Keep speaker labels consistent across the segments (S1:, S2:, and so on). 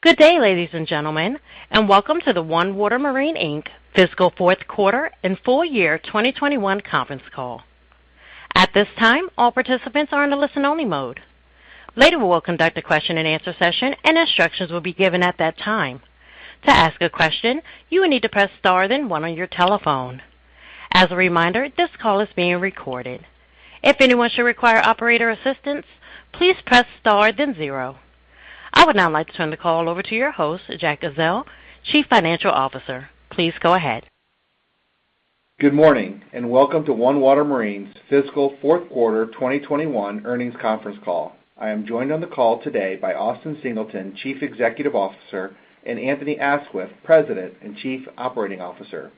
S1: Good day, ladies and gentlemen, and Welcome to the OneWater Marine Inc. Fiscal Fourth Quarter and full-year 2021 Conference Call. At this time, all participants are in a listen-only mode. Later, we will conduct a question-and-answer session, and instructions will be given at that time. To ask a question, you will need to press Star, then one on your telephone. As a reminder, this call is being recorded. If anyone should require operator assistance, please press star, then zero. I would now like to turn the call over to your host, Jack Ezzell, Chief Financial Officer. Please go ahead.
S2: Good morning, and welcome to OneWater Marine's fiscal fourth quarter 2021 earnings conference call. I am joined on the call today by Austin Singleton, Chief Executive Officer, and Anthony Aisquith, President and Chief Operating Officer.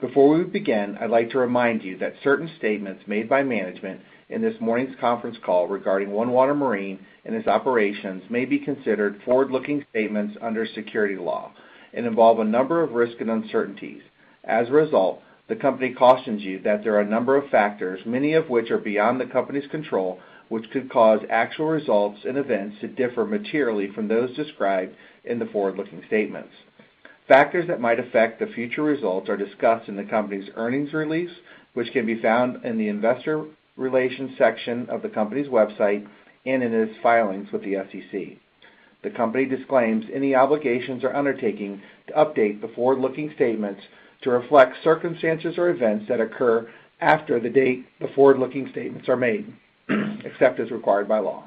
S2: Before we begin, I'd like to remind you that certain statements made by management in this morning's conference call regarding OneWater Marine and its operations may be considered forward-looking statements under securities law and involve a number of risks and uncertainties. As a result, the company cautions you that there are a number of factors, many of which are beyond the company's control, which could cause actual results and events to differ materially from those described in the forward-looking statements. Factors that might affect the future results are discussed in the company's earnings release, which can be found in the investor relations section of the company's website and in its filings with the SEC. The company disclaims any obligations or undertaking to update the forward-looking statements to reflect circumstances or events that occur after the date the forward-looking statements are made, except as required by law.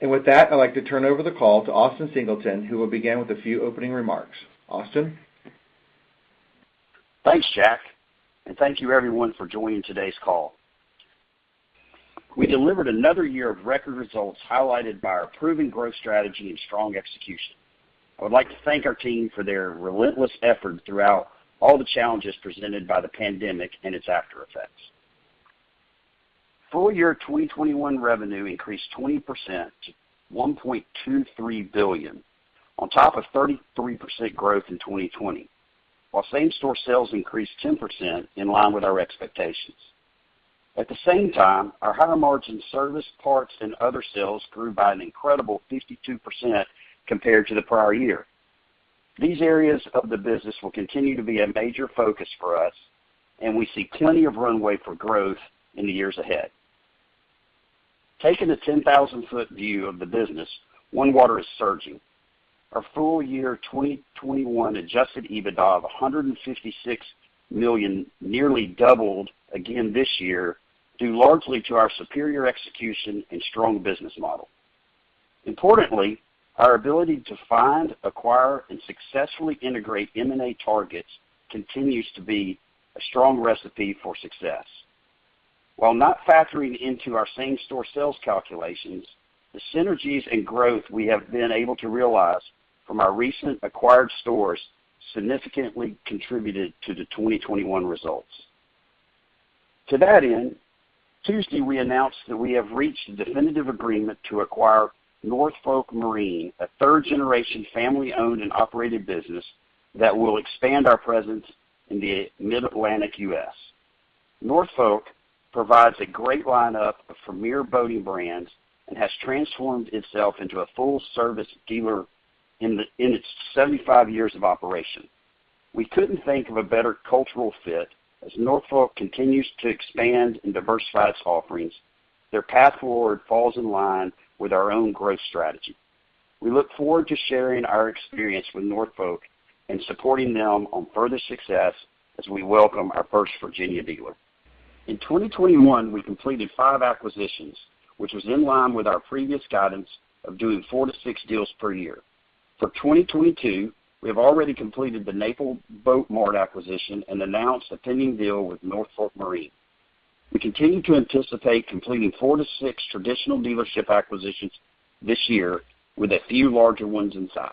S2: With that, I'd like to turn over the call to Austin Singleton, who will begin with a few opening remarks. Austin?
S3: Thanks, Jack, and thank you, everyone, for joining today's call. We delivered another year of record results, highlighted by our proven growth strategy and strong execution. I would like to thank our team for their relentless effort throughout all the challenges presented by the pandemic and its aftereffects. Full-year 2021 revenue increased 20% to $1.23 billion, on top of 33% growth in 2020. While same-store sales increased 10% in line with our expectations. At the same time, our higher-margin service parts and other sales grew by an incredible 52% compared to the prior year. These areas of the business will continue to be a major focus for us, and we see plenty of runway for growth in the years ahead. Taking the 10,000-foot view of the business, OneWater is surging. Our full-year 2021 Adjusted EBITDA of $156 million nearly doubled again this year, due largely to our superior execution and strong business model. Importantly, our ability to find, acquire, and successfully integrate M&A targets continues to be a strong recipe for success. While not factoring into our same-store sales calculations, the synergies and growth we have been able to realize from our recent acquired stores significantly contributed to the 2021 results. To that end, on Tuesday, we announced that we have reached a definitive agreement to acquire Norfolk Marine, a third-generation family-owned and operated business that will expand our presence in the mid-Atlantic U.S. Norfolk provides a great lineup of premier boating brands and has transformed itself into a full-service dealer in its 75 years of operation. We couldn't think of a better cultural fit as Norfolk continues to expand and diversify its offerings. Their path forward falls in line with our own growth strategy. We look forward to sharing our experience with Norfolk and supporting them on further success as we welcome our first Virginia dealer. In 2021, we completed five acquisitions, which was in line with our previous guidance of doing four to six deals per year. For 2022, we have already completed the Naples Boat Mart acquisition and announced a pending deal with Norfolk Marine. We continue to anticipate completing four to six traditional dealership acquisitions this year with a few larger ones in size.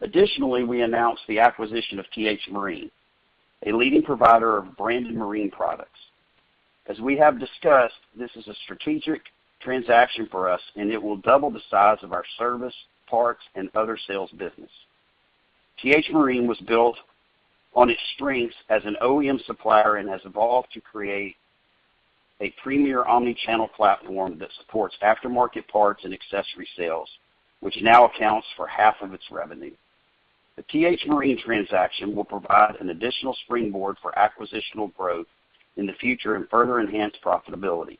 S3: Additionally, we announced the acquisition of T-H Marine, a leading provider of branded marine products. As we have discussed, this is a strategic transaction for us, and it will double the size of our service, parts, and other sales business. T-H Marine was built on its strengths as an OEM supplier and has evolved to create a premier omni-channel platform that supports aftermarket parts and accessory sales, which now accounts for half of its revenue. The T-H Marine transaction will provide an additional springboard for acquisitional growth in the future and further enhance profitability.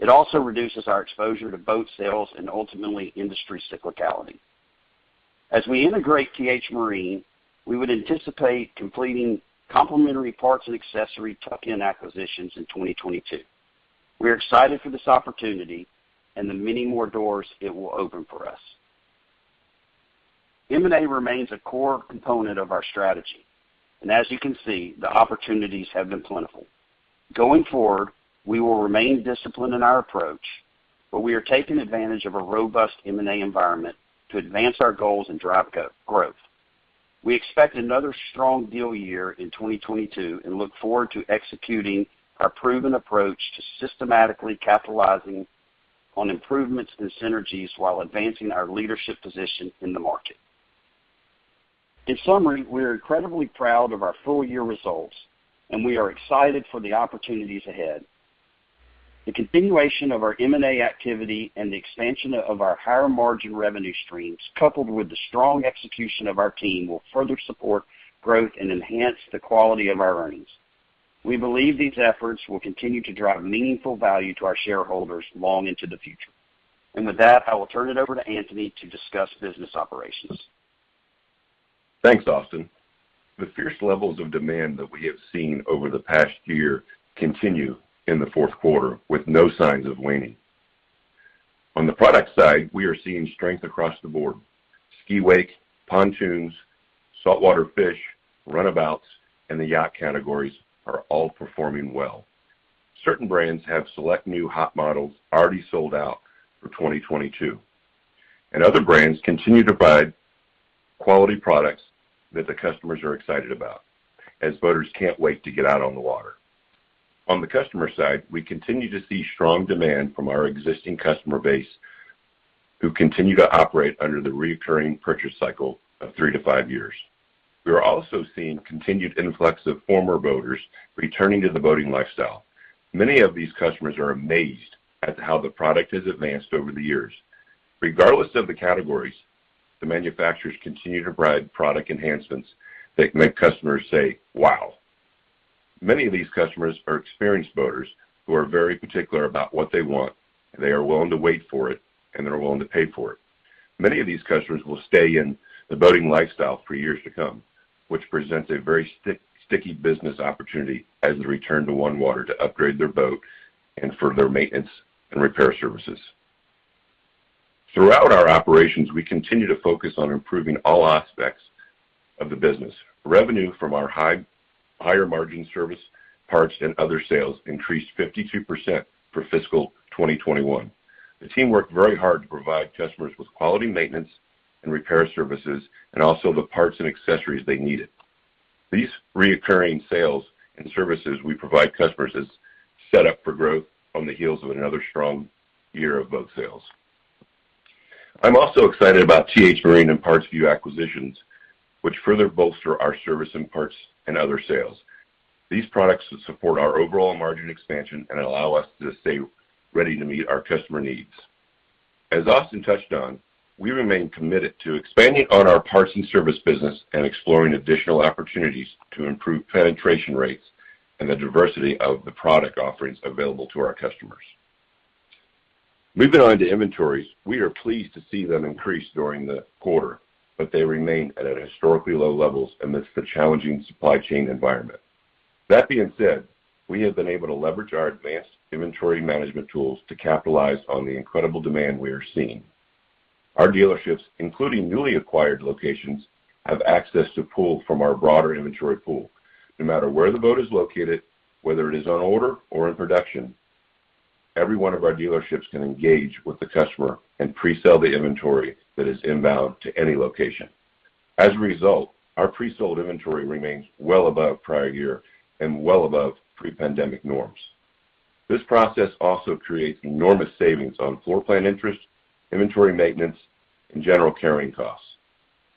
S3: It also reduces our exposure to boat sales and ultimately industry cyclicality. As we integrate T-H Marine, we would anticipate completing complementary parts and accessory tuck-in acquisitions in 2022. We are excited for this opportunity and the many more doors it will open for us. M&A remains a core component of our strategy, and as you can see, the opportunities have been plentiful. Going forward, we will remain disciplined in our approach, but we are taking advantage of a robust M&A environment to advance our goals and drive growth. We expect another strong deal year in 2022 and look forward to executing our proven approach to systematically capitalizing on improvements and synergies while advancing our leadership position in the market. In summary, we are incredibly proud of our full-year results, and we are excited for the opportunities ahead. The continuation of our M&A activity and the expansion of our higher-margin revenue streams, coupled with the strong execution of our team, will further support growth and enhance the quality of our earnings. We believe these efforts will continue to drive meaningful value to our shareholders long into the future. With that, I will turn it over to Anthony to discuss business operations.
S4: Thanks, Austin. The fierce levels of demand that we have seen over the past year continue in the fourth quarter with no signs of waning. On the product side, we are seeing strength across the board. Ski/wake, pontoons, saltwater fish, runabouts, and the yacht categories are all performing well. Certain brands have select new hot models already sold out for 2022. Other brands continue to provide quality products that the customers are excited about, as boaters can't wait to get out on the water. On the customer side, we continue to see strong demand from our existing customer base, who continue to operate under the recurring purchase cycle of three to five years. We are also seeing continued influx of former boaters returning to the boating lifestyle. Many of these customers are amazed at how the product has advanced over the years. Regardless of the categories, the manufacturers continue to provide product enhancements that make customers say, "Wow." Many of these customers are experienced boaters who are very particular about what they want, and they are willing to wait for it, and they're willing to pay for it. Many of these customers will stay in the boating lifestyle for years to come, which presents a very sticky business opportunity as they return to OneWater to upgrade their boat and for their maintenance and repair services. Throughout our operations, we continue to focus on improving all aspects of the business. Revenue from our higher-margin service, parts, and other sales increased 52% for fiscal 2021. The team worked very hard to provide customers with quality maintenance and repair services, and also the parts and accessories they needed. These recurring sales and services we provide customers is set up for growth on the heels of another strong year of boat sales. I'm also excited about T-H Marine and PartsVu acquisitions, which further bolster our service, and parts, and other sales. These products will support our overall margin expansion and allow us to stay ready to meet our customers' needs. As Austin touched on, we remain committed to expanding on our parts and service business and exploring additional opportunities to improve penetration rates and the diversity of the product offerings available to our customers. Moving on to inventories, we are pleased to see them increase during the quarter, but they remain at historically low levels amidst the challenging supply chain environment. That being said, we have been able to leverage our advanced inventory management tools to capitalize on the incredible demand we are seeing. Our dealerships, including newly acquired locations, have access to pull from our broader inventory pool. No matter where the boat is located, whether it is on order or in production, every one of our dealerships can engage with the customer and pre-sell the inventory that is inbound to any location. As a result, our pre-sold inventory remains well above prior year and well above pre-pandemic norms. This process also creates enormous savings on floor plan interest, inventory maintenance, and general carrying costs.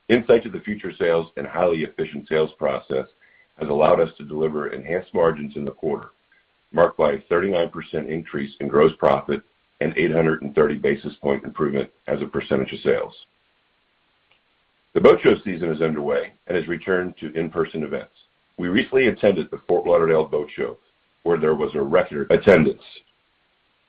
S4: Insight to the future sales and highly efficient sales process has allowed us to deliver enhanced margins in the quarter, marked by a 39% increase in gross profit and 830 basis point improvement as a percentage of sales. The boat show season is underway and has returned to in-person events. We recently attended the Fort Lauderdale Boat Show, where there was a record attendance.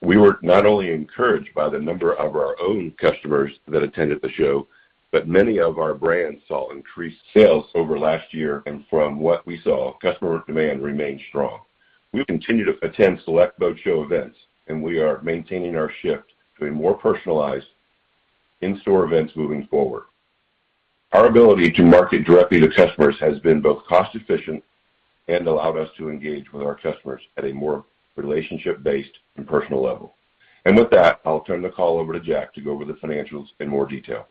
S4: We were not only encouraged by the number of our own customers that attended the show, but many of our brands saw increased sales over last year. From what we saw, customer demand remained strong. We'll continue to attend select boat show events, and we are maintaining our shift to a more personalized in-store events moving forward. Our ability to market directly to customers has been both cost-efficient and allowed us to engage with our customers at a more relationship-based and personal level. With that, I'll turn the call over to Jack to go over the financials in more detail.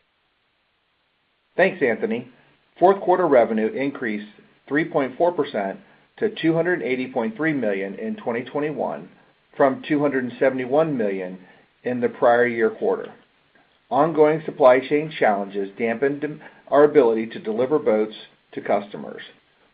S2: Thanks, Anthony. Fourth quarter revenue increased 3.4% to $280.3 million in 2021 from $271 million in the prior year quarter. Ongoing supply chain challenges dampened our ability to deliver boats to customers.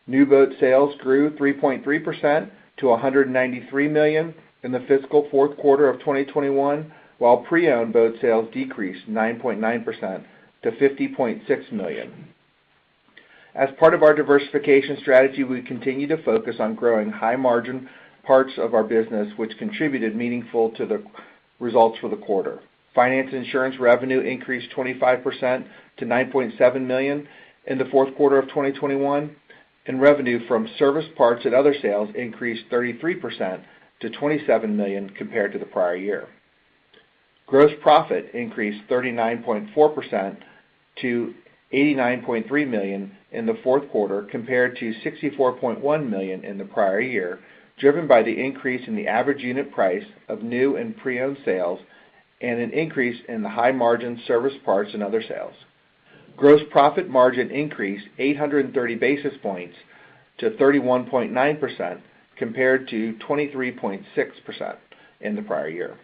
S2: New boat sales grew 3.3% to $193 million in the fiscal fourth quarter of 2021, while pre-owned boat sales decreased 9.9% to $50.6 million. As part of our diversification strategy, we continue to focus on growing high-margin parts of our business, which contributed meaningful to the results for the quarter. Finance and insurance revenue increased 25% to $9.7 million in the fourth quarter of 2021, and revenue from service parts and other sales increased 33% to $27 million compared to the prior year. Gross profit increased 39.4% to $89.3 million in the fourth quarter compared to $64.1 million in the prior year, driven by the increase in the average unit price of new and pre-owned sales and an increase in the high-margin service parts and other sales. Gross profit margin increased 830 basis points to 31.9% compared to 23.6% in the prior year.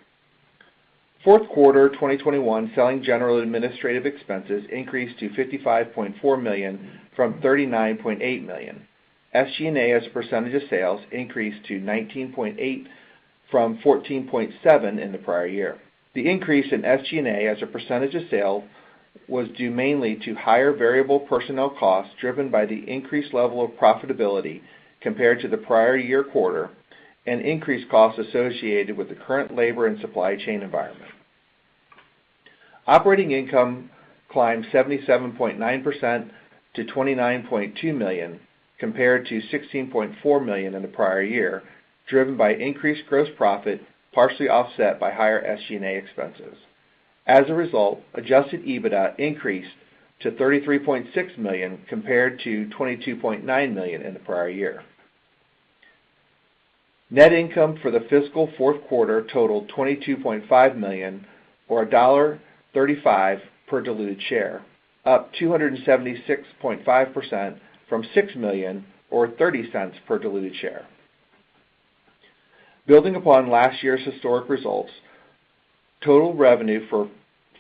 S2: Fourth quarter 2021 selling, general, administrative expenses increased to $55.4 million from $39.8 million. SG&A as a percentage of sales increased to 19.8% from 14.7% in the prior year. The increase in SG&A as a percentage of sales was due mainly to higher variable personnel costs driven by the increased level of profitability compared to the prior year quarter and increased costs associated with the current labor and supply chain environment. Operating income climbed 77.9% to $29.2 million, compared to $16.4 million in the prior year, driven by increased gross profit, partially offset by higher SG&A expenses. As a result, Adjusted EBITDA increased to $33.6 million compared to $22.9 million in the prior year. Net income for the fiscal fourth quarter totaled $22.5 million or $1.35 per diluted share, up 276.5% from $6 million or $0.30 per diluted share. Building upon last year's historic results, total revenue for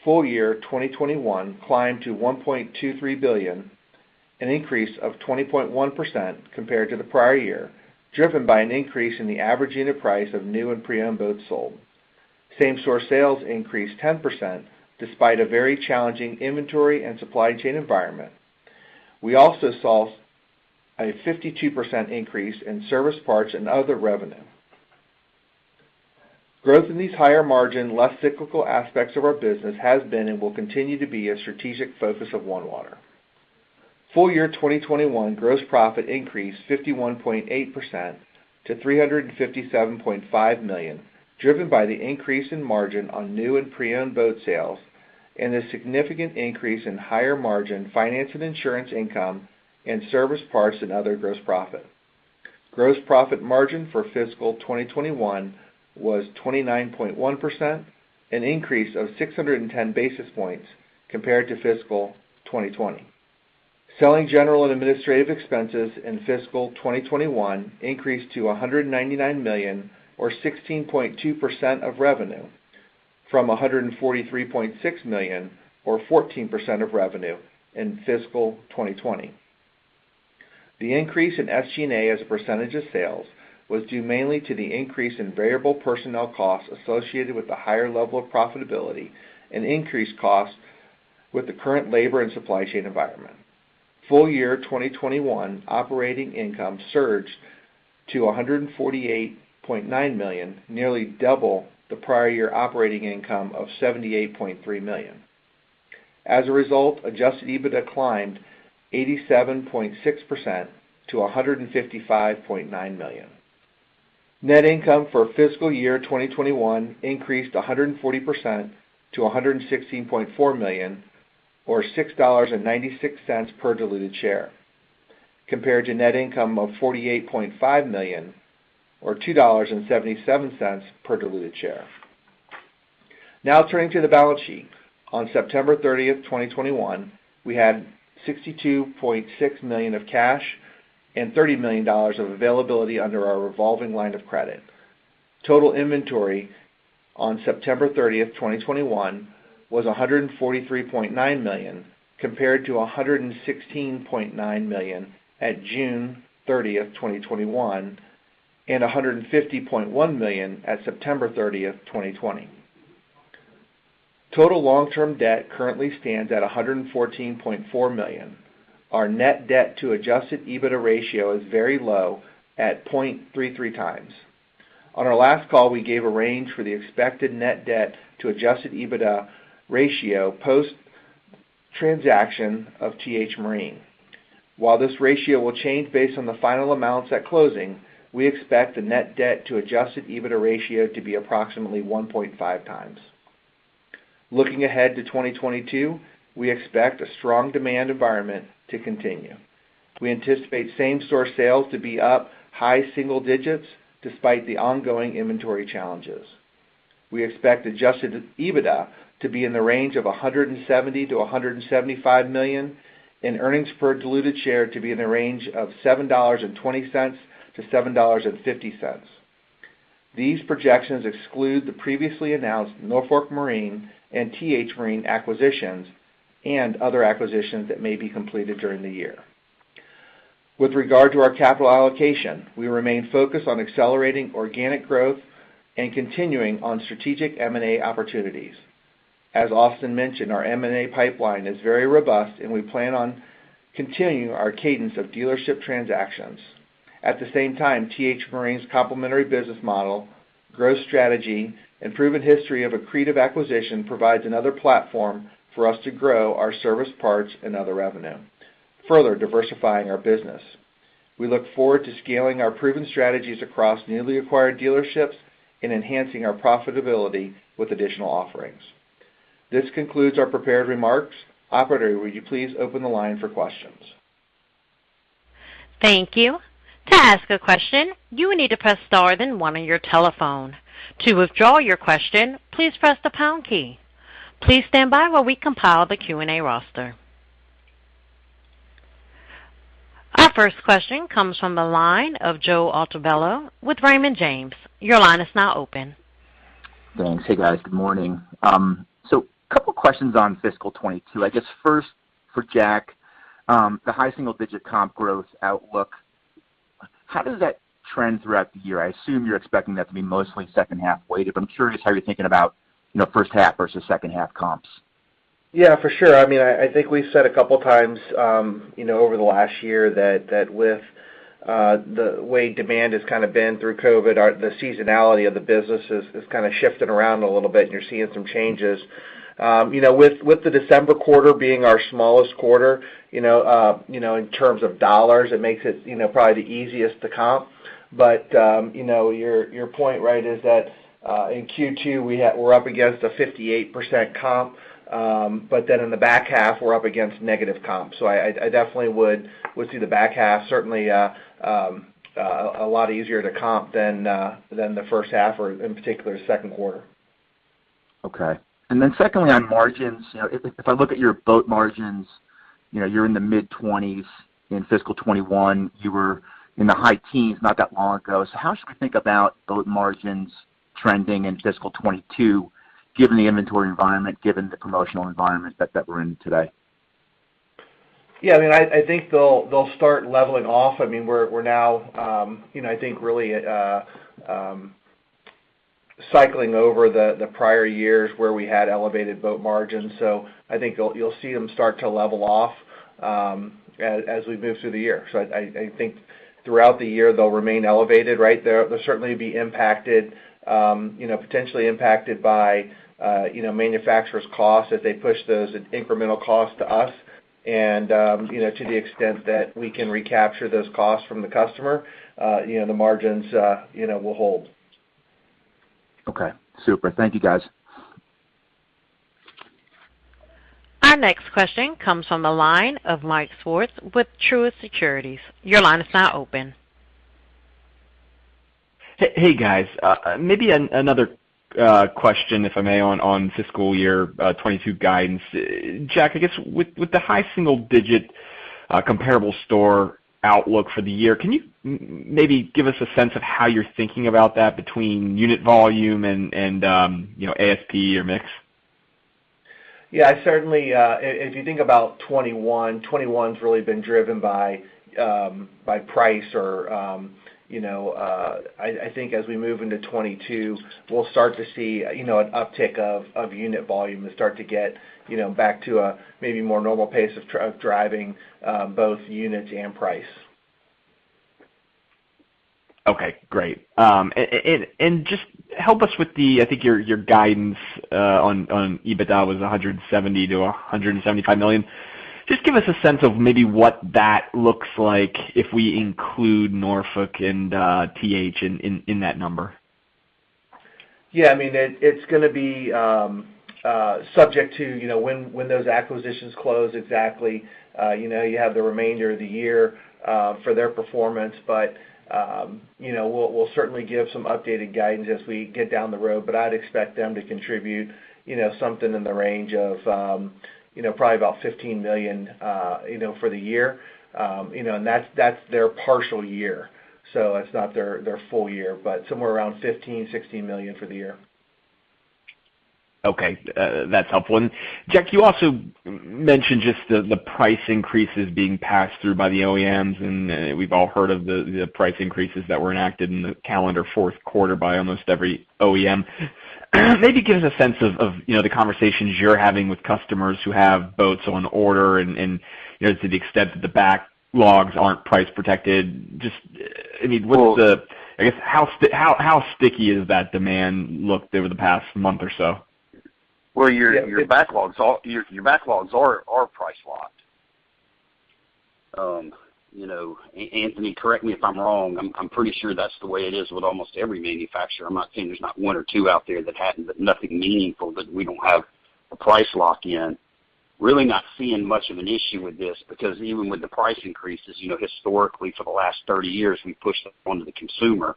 S2: full-year 2021 climbed to $1.23 billion, an increase of 20.1% compared to the prior year, driven by an increase in the average unit price of new and pre-owned boats sold. Same-store sales increased 10% despite a very challenging inventory and supply chain environment. We also saw a 52% increase in service parts and other revenue. Growth in these higher-margin, less cyclical aspects of our business has been and will continue to be a strategic focus of OneWater. Full-year 2021 gross profit increased 51.8% to $357.5 million, driven by the increase in margin on new and pre-owned boat sales and a significant increase in higher-margin finance and insurance income, and service parts, and other gross profit. Gross profit margin for fiscal 2021 was 29.1%, an increase of 610 basis points compared to fiscal 2020. Selling general and administrative expenses in fiscal 2021 increased to $199 million or 16.2% of revenue from $143.6 million or 14% of revenue in fiscal 2020. The increase in SG&A as a percentage of sales was due mainly to the increase in variable personnel costs associated with the higher level of profitability and increased costs with the current labor and supply chain environment. Full-year 2021 operating income surged to $148.9 million, nearly double the prior year operating income of $78.3 million. As a result, Adjusted EBITDA climbed 87.6% to $155.9 million. Net income for fiscal year 2021 increased 140% to $116.4 million or $6.96 per diluted share, compared to net income of $48.5 million or $2.77 per diluted share. Now turning to the balance sheet. On September 30, 2021, we had $62.6 million of cash and $30 million of availability under our revolving line of credit. Total inventory on September 30, 2021, was $143.9 million, compared to $116.9 million at June 30, 2021, and $150.1 million at September 30, 2020. Total long-term debt currently stands at $114.4 million. Our net debt to Adjusted EBITDA ratio is very low at 0.33 times. On our last call, we gave a range for the expected net debt to Adjusted EBITDA ratio post-transaction of T-H Marine. While this ratio will change based on the final amounts at closing, we expect the net debt to Adjusted EBITDA ratio to be approximately 1.5x. Looking ahead to 2022, we expect a strong demand environment to continue. We anticipate same-store sales to be up high single digits despite the ongoing inventory challenges. We expect Adjusted EBITDA to be in the range of $170 million-$175 million, and earnings per diluted share to be in the range of $7.20-$7.50. These projections exclude the previously announced Norfolk Marine and T-H Marine acquisitions and other acquisitions that may be completed during the year. With regard to our capital allocation, we remain focused on accelerating organic growth and continuing on strategic M&A opportunities. As Austin mentioned, our M&A pipeline is very robust, and we plan on continuing our cadence of dealership transactions. At the same time, T-H Marine's complementary business model, growth strategy, and proven history of accretive acquisitions provide another platform for us to grow our service parts and other revenue, further diversifying our business. We look forward to scaling our proven strategies across newly acquired dealerships and enhancing our profitability with additional offerings. This concludes our prepared remarks. Operator, would you please open the line for questions?
S1: Thank you. To ask a question, you will need to press star then one on your telephone. To withdraw your question, please press the pound key. Please stand by while we compile the Q&A roster. Our first question comes from the line of Joe Altobello with Raymond James. Your line is now open.
S5: Thanks. Hey, guys. Good morning. A couple of questions on fiscal 2022. I guess first for Jack, the high single-digit comp growth outlook, how does that trend throughout the year? I assume you're expecting that to be mostly second-half weighted, but I'm curious how you're thinking about, you know, first-half versus second-half comps.
S2: Yeah, for sure. I mean, I think we said a couple times, you know, over the last year, that with the way demand has kind of been through COVID, the seasonality of the business is kind of shifting around a little bit, and you're seeing some changes. You know, with the December quarter being our smallest quarter, you know, in terms of dollars, it makes it, you know, probably the easiest to comp. You know, your point, right, is that in Q2, we're up against a 58% comp. But then in the back half, we're up against negative comps. I definitely would see the back half certainly a lot easier to comp than the first half, or in particular, second quarter.
S5: Okay. Secondly, on margins, you know, if I look at your boat margins, you know, you're in the mid-20s %. In fiscal 2021, you were in the high teens% not that long ago. How should we think about boat margins trending in fiscal 2022, given the inventory environment, given the promotional environment that we're in today?
S2: Yeah. I mean, I think they'll start leveling off. I mean, we're now, you know, I think really cycling over the prior years where we had elevated boat margins. I think you'll see them start to level off as we move through the year. I think throughout the year, they'll remain elevated, right? They'll certainly be impacted, you know, potentially impacted by, you know, manufacturers' costs as they push those incremental costs to us. You know, to the extent that we can recapture those costs from the customer, you know, the margins, you know, will hold.
S5: Okay, super. Thank you, guys.
S1: Our next question comes from the line of Mike Swartz with Truist Securities. Your line is now open.
S6: Hey, guys, maybe another question, if I may, on fiscal year 2022 guidance. Jack, I guess, with the high single-digit comparable store outlook for the year, can you maybe give us a sense of how you're thinking about that between unit volume and you know, ASP or mix?
S2: Yeah. Certainly, if you think about 2021's really been driven by price or, you know, I think as we move into 2022, we'll start to see, you know, an uptick of unit volume and start to get, you know, back to a maybe more normal pace of driving both units and price.
S6: Okay, great. Just help us with the, I think, your guidance on EBITDA was $170 million-$175 million. Just give us a sense of maybe what that looks like if we include Norfolk and T-H in that number.
S2: Yeah. I mean, it's gonna be subject to, you know, when those acquisitions close exactly. You know, you have the remainder of the year for their performance. You know, we'll certainly give some updated guidance as we get down the road. I'd expect them to contribute, you know, something in the range of, you know, probably about $15 million, you know, for the year. You know, and that's their partial year, so it's not their full-year, but somewhere around $15 million-$16 million for the year.
S6: Okay. That's helpful. Jack, you also mentioned just the price increases being passed through by the OEMs, and we've all heard of the price increases that were enacted in the calendar fourth quarter by almost every OEM. Maybe give us a sense of you know the conversations you're having with customers who have boats on order and you know to the extent that the backlogs aren't price protected just I mean what's the- I guess how sticky is that demand looked over the past month or so?
S3: Well, your backlogs are price locked. You know, Anthony Aisquith, correct me if I'm wrong, I'm pretty sure that's the way it is with almost every manufacturer. I'm not saying there's not one or two out there that hadn't, but nothing meaningful that we don't have a price lock in. Really not seeing much of an issue with this because even with the price increases, you know, historically for the last 30 years, we pushed them onto the consumer.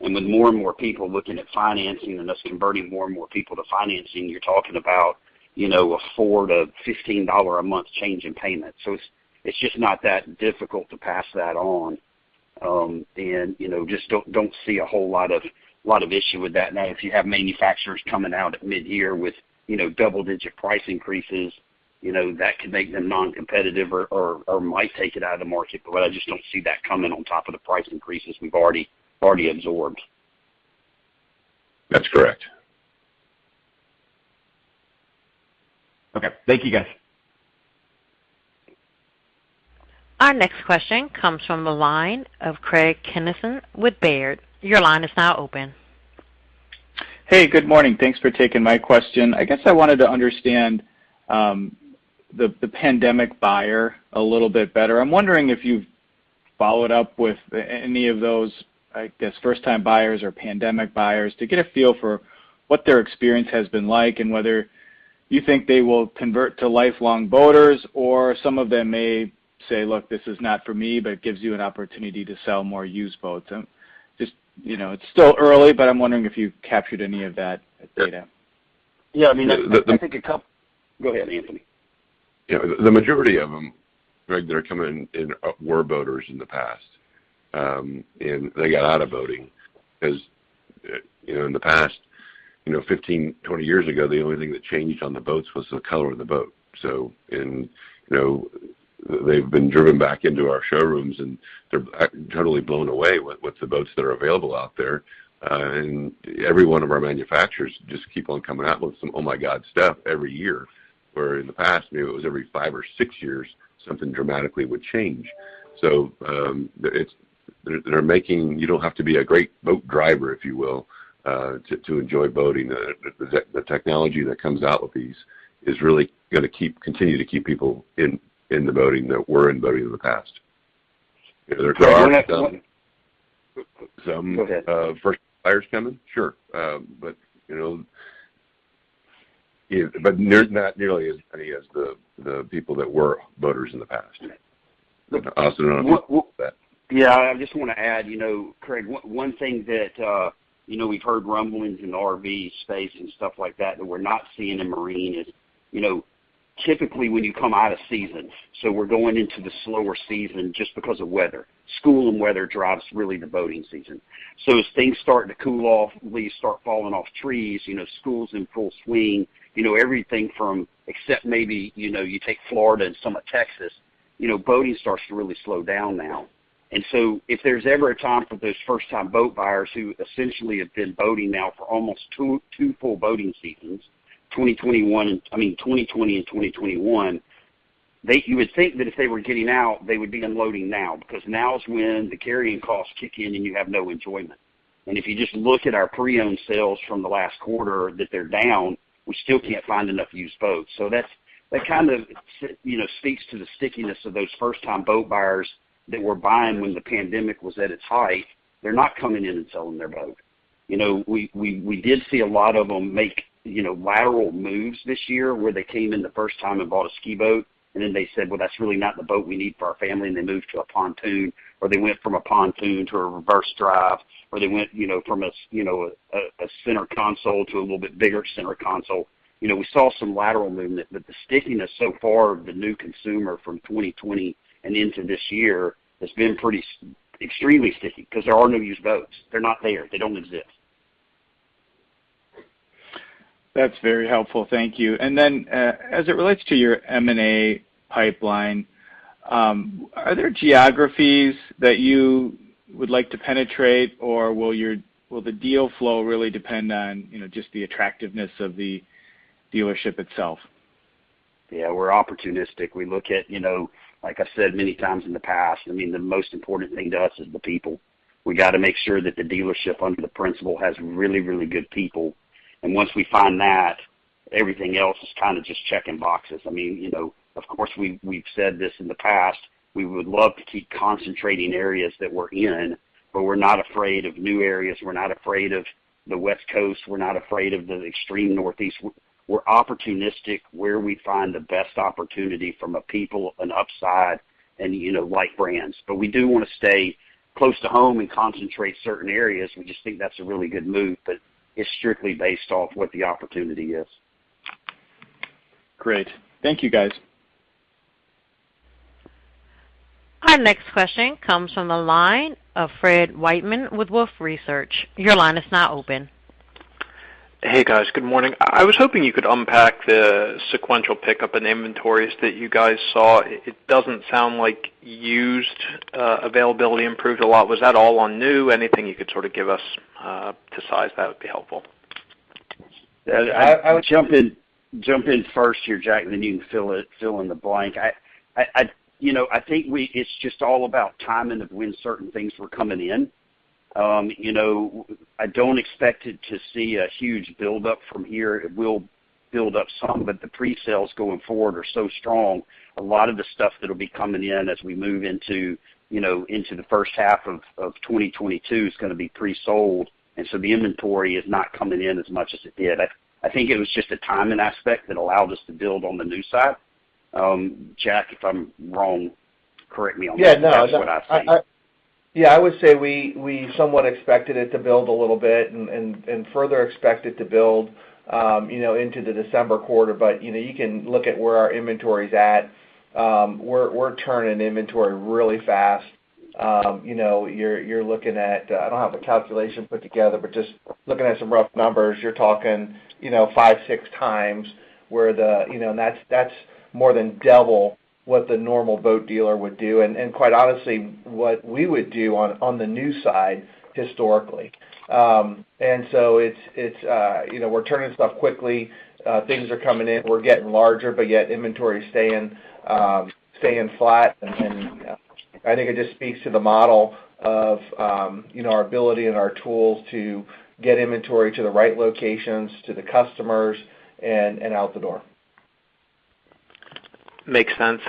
S3: With more and more people looking at financing and us converting more and more people to financing, you're talking about, you know, a $4-$15 a month change in payment. It's just not that difficult to pass that on. You know, just don't see a whole lot of issue with that. Now, if you have manufacturers coming out at midyear with, you know, double-digit price increases, you know, that could make them non-competitive or might take it out of the market. But I just don't see that coming on top of the price increases we've already absorbed.
S4: That's correct.
S6: Okay. Thank you, guys.
S1: Our next question comes from the line of Craig Kennison with Baird. Your line is now open.
S7: Hey, good morning. Thanks for taking my question. I guess I wanted to understand the pandemic buyer a little bit better. I'm wondering if you've followed up with any of those, I guess, first-time buyers or pandemic buyers, to get a feel for what their experience has been like and whether you think they will convert to lifelong boaters. Some of them may say, "Look, this is not for me," but it gives you an opportunity to sell more used boats. Just, you know, it's still early, but I'm wondering if you've captured any of that data.
S3: Yeah, I mean, I think go ahead, Anthony.
S4: Yeah. The majority of them, Craig, that are coming in were boaters in the past. They got out of boating because, you know, in the past, you know, 15, 20 years ago, the only thing that changed on the boats was the color of the boat. You know, they've been driven back into our showrooms, and they're totally blown away with the boats that are available out there. Every one of our manufacturers just keep on coming out with some oh-my-God stuff every year, where in the past, maybe it was every five or six years, something dramatically would change. They're making you don't have to be a great boat driver, if you will, to enjoy boating. The technology that comes out with these is really gonna continue to keep people in the boating that were in boating in the past. There are some first buyers coming, sure. You know not nearly as many as the people that were boaters in the past. Austin, I don't know if you want to add to that.
S3: Yeah. I just want to add, you know, Craig, one thing that, you know, we've heard rumblings in the RV space and stuff like that we're not seeing in marine is, you know, typically, when you come out of season, so we're going into the slower season just because of weather. School and weather drives really the boating season. As things start to cool off, leaves start falling off trees, you know, school's in full swing. You know, everything, except maybe, you know, you take Florida and some of Texas, you know, boating starts to really slow down now. If there's ever a time for those first-time boat buyers who essentially have been boating now for almost two full boating seasons, 2021, I mean, 2020 and 2021, they you would think that if they were getting out, they would be unloading now because now is when the carrying costs kick in, and you have no enjoyment. If you just look at our pre-owned sales from the last quarter that they're down, we still can't find enough used boats. That's that kind of, you know, speaks to the stickiness of those first-time boat buyers that were buying when the pandemic was at its height. They're not coming in and selling their boat. You know, we did see a lot of them make, you know, lateral moves this year where they came in the first time and bought a ski boat, and then they said, "Well, that's really not the boat we need for our family," and they moved to a pontoon, or they went from a pontoon to a reverse drive, or they went, you know, from a center console to a little bit bigger center console. You know, we saw some lateral movement, but the stickiness so far of the new consumer from 2020 and into this year has been pretty extremely sticky because there are no used boats. They're not there. They don't exist.
S7: That's very helpful. Thank you. As it relates to your M&A pipeline, are there geographies that you would like to penetrate, or will the deal flow really depend on, you know, just the attractiveness of the dealership itself?
S3: Yeah, we're opportunistic. We look at, you know, like I said many times in the past, I mean, the most important thing to us is the people. We got to make sure that the dealership under the principal has really, really good people. Once we find that, everything else is kind of just checking boxes. I mean, you know, of course, we've said this in the past. We would love to keep concentrating areas that we're in, but we're not afraid of new areas. We're not afraid of the West Coast. We're not afraid of the extreme Northeast. We're opportunistic where we find the best opportunity from a people, an upside, and, you know, light brands. We do want to stay close to home and concentrate certain areas. We just think that's a really good move, but it's strictly based off what the opportunity is.
S7: Great. Thank you, guys.
S1: Our next question comes from the line of Fred Wightman with Wolfe Research. Your line is now open.
S8: Hey, guys. Good morning. I was hoping you could unpack the sequential pickup in inventories that you guys saw. It doesn't sound like used availability improved a lot. Was that all on new? Anything you could sort of give us to size that would be helpful.
S4: I would jump in first here, Jack, and then you can fill it in the blank. You know, I think it's just all about timing of when certain things were coming in. You know, I don't expect it to see a huge build-up from here. It will build up some, but the pre-sales going forward are so strong. A lot of the stuff that'll be coming in as we move into, you know, into the first half of 2022 is gonna be pre-sold. And so the inventory is not coming in as much as it did. I think it was just a timing aspect that allowed us to build on the new side. Jack, if I'm wrong, correct me on this. That's just what I see.
S2: Yeah, no. Yeah, I would say we somewhat expected it to build a little bit and further expect it to build, you know, into the December quarter. You know, you can look at where our inventory is at. We're turning inventory really fast. You know, you're looking at, I don't have the calculation put together, but just looking at some rough numbers, you're talking, you know, five, six times where the, you know, and that's more than double what the normal boat dealer would do, and quite honestly, what we would do on the new side historically. You know, we're turning stuff quickly. Things are coming in. We're getting larger, but yet inventory is staying flat. I think it just speaks to the model of, you know, our ability and our tools to get inventory to the right locations, to the customers, and out the door.
S8: Makes sense.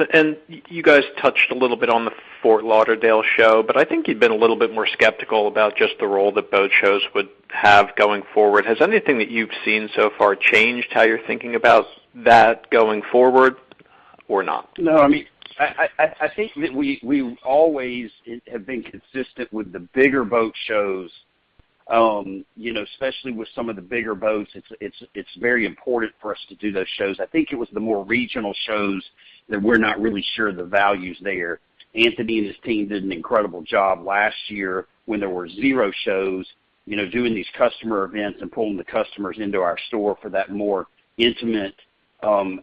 S8: You guys touched a little bit on the Fort Lauderdale show, but I think you'd been a little bit more skeptical about just the role that boat shows would have going forward. Has anything that you've seen so far changed how you're thinking about that going forward?
S3: No, I mean, I think that we always have been consistent with the bigger boat shows. You know, especially with some of the bigger boats, it's very important for us to do those shows. I think it was the more regional shows that we're not really sure the value is there. Anthony and his team did an incredible job last year when there were zero shows, you know, doing these customer events and pulling the customers into our store for that more intimate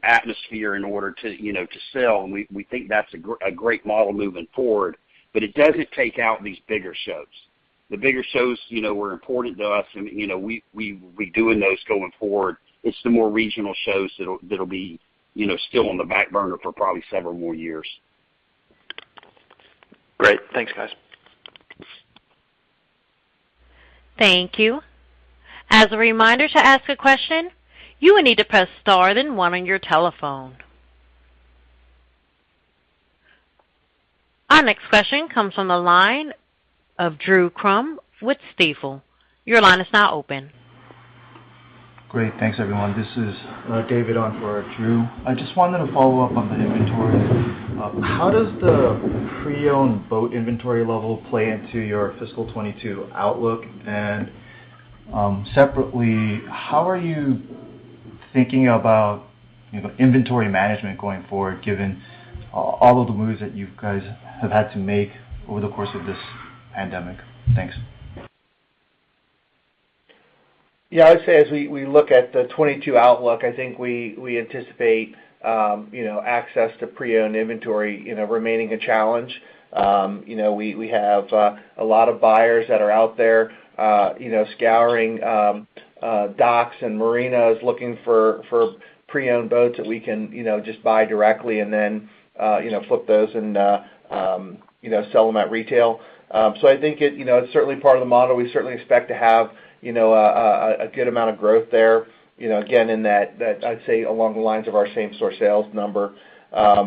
S3: atmosphere in order to, you know, to sell. We think that's a great model moving forward. It doesn't take out these bigger shows. The bigger shows, you know, were important to us and, you know, we'll be doing those going forward. It's the more regional shows that'll be, you know, still on the back burner for probably several more years.
S8: Great. Thanks, guys.
S1: Thank you. As a reminder to ask a question, you will need to press star then one on your telephone. Our next question comes from the line of Drew Crum with Stifel. Your line is now open.
S9: Great, thanks, everyone. This is David on for Drew. I just wanted to follow up on the inventory. How does the pre-owned boat inventory level play into your fiscal 2022 outlook? Separately, how are you thinking about, you know, inventory management going forward, given all of the moves that you guys have had to make over the course of this pandemic? Thanks.
S2: Yeah, I'd say as we look at the 2022 outlook, I think we anticipate access to pre-owned inventory remaining a challenge. You know, we have a lot of buyers that are out there you know scouring docks and marinas looking for pre-owned boats that we can just buy directly, and then you know flip those and you know sell them at retail. So, I think it you know it's certainly part of the model. We certainly expect to have a good amount of growth there, you know, again, in that I'd say along the lines of our same-store sales number. I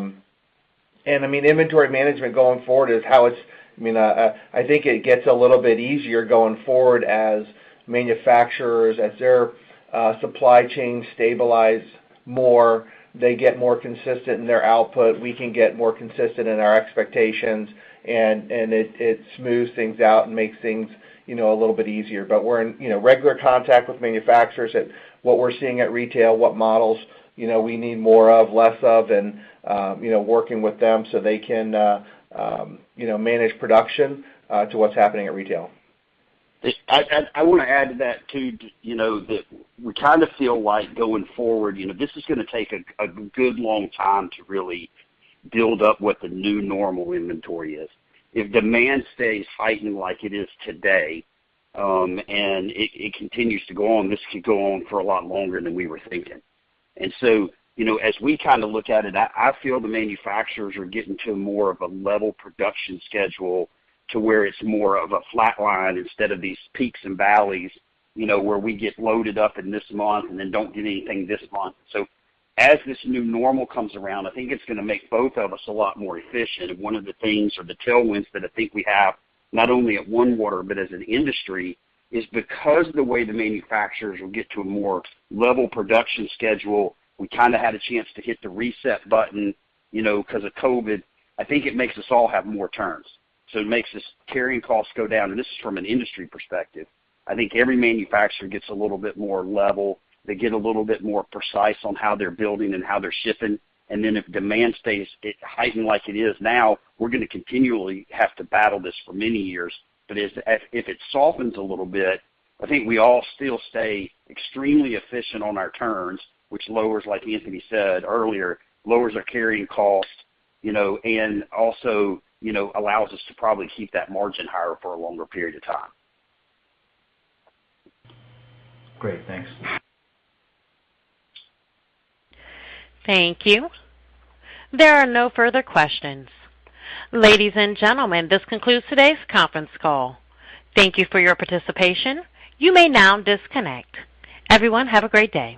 S2: mean, inventory management going forward is how it's—I mean, I think it gets a little bit easier going forward as manufacturers, as their supply chains stabilize more, they get more consistent in their output. We can get more consistent in our expectations, and it smooths things out and makes things, you know, a little bit easier. We're in, you know, regular contact with manufacturers about what we're seeing at retail, what models, you know, we need more of, less of, and you know, working with them so they can, you know, manage production to what's happening at retail.
S3: I want to add to that, too, you know, that we kind of feel like going forward, you know, this is going to take a good long time to really build up what the new normal inventory is. If demand stays heightened like it is today, and it continues to go on, this could go on for a lot longer than we were thinking. You know, as we kind of look at it, I feel the manufacturers are getting to more of a level production schedule to where it's more of a flat line instead of these peaks and valleys, you know, where we get loaded up in this month and then don't get anything this month. As this new normal comes around, I think it's going to make both of us a lot more efficient. One of the things or the tailwinds that I think we have, not only at OneWater, but as an industry, is because the way the manufacturers will get to a more level production schedule, we kind of had a chance to hit the reset button, you know, because of COVID. I think it makes us all have more turns. It makes these carrying costs go down. This is from an industry perspective. I think every manufacturer gets a little bit more level. They get a little bit more precise on how they're building and how they're shipping. Then, if demand stays heightened like it is now, we're going to continually have to battle this for many years. If it softens a little bit, I think we all still stay extremely efficient on our turns, which lowers, like Anthony said earlier, lowers our carrying cost, you know, and also, you know, allows us to probably keep that margin higher for a longer period of time.
S9: Great. Thanks.
S1: Thank you. There are no further questions. Ladies and gentlemen, this concludes today's conference call. Thank you for your participation. You may now disconnect. Everyone, have a great day.